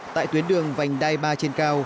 tại tuyến đường vành đai ba trên cao